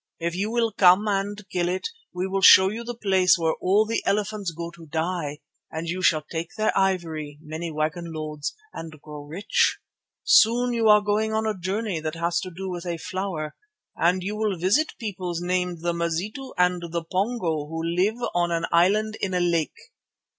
If you will come and kill it, we will show you the place where all the elephants go to die, and you shall take their ivory, many wagon loads, and grow rich. Soon you are going on a journey that has to do with a flower, and you will visit peoples named the Mazitu and the Pongo who live on an island in a lake.